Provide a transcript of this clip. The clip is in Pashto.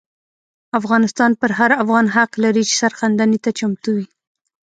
افغانستان پر هر افغان حق لري چې سرښندنې ته چمتو وي.